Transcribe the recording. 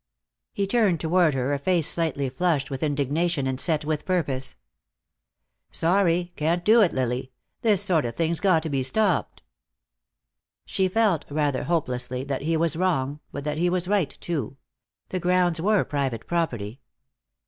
He turned toward her a face slightly flushed with indignation and set with purpose. "Sorry. Can't do it, Lily. This sort of thing's got to be stopped." She felt, rather hopelessly, that he was wrong, but that he was right, too. The grounds were private property.